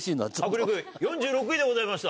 白竜君４６位でございました。